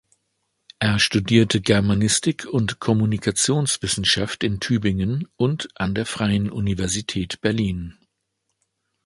Er studierte Germanistik und Kommunikationswissenschaft in Tübingen und an der Freien Universität Berlin.